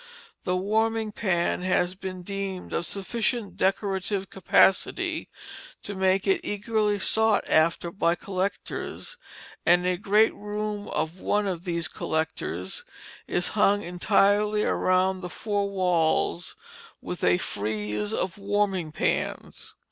The warming pan has been deemed of sufficient decorative capacity to make it eagerly sought after by collectors, and a great room of one of these collectors is hung entirely around the four walls with a frieze of warming pans.